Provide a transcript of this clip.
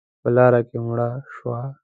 _په لاره کې مړه شوه.